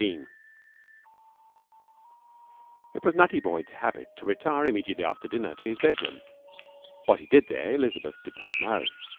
14 It was Nutty Boyd's habit to retire immediately after dinner to his bedroom. What he did there Elizabeth did not know.